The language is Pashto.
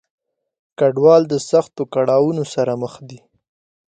کډوال د سختو کړاونو سره مخ دي.